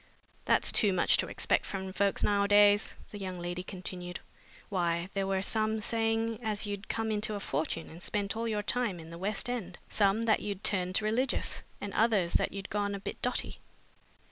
"That's too much to expect from folks nowadays," the young lady continued. "Why, there were some saying as you'd come into a fortune and spent all your time in the west end, some that you'd turned religious, and others that you'd gone a bit dotty.